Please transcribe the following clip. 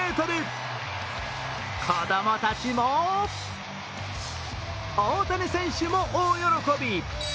子供たちも大谷選手も大喜び。